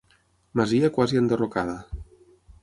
Masia quasi enderrocada.